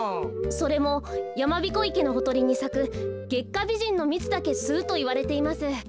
それもやまびこ池のほとりにさくゲッカビジンのみつだけすうといわれています。